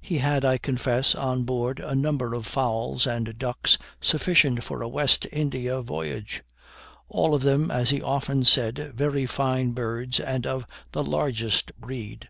He had, I confess, on board a number of fowls and ducks sufficient for a West India voyage; all of them, as he often said, "Very fine birds, and of the largest breed."